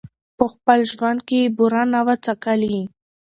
په خپل ژوند کي یې بوره نه وه څکلې